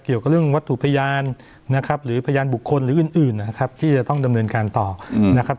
เกี่ยวกับเรื่องวัตถุพยานนะครับหรือพยานบุคคลหรืออื่นนะครับที่จะต้องดำเนินการต่อนะครับ